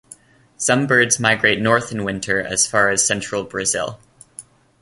Some birds migrate north in winter as far as central Brazil.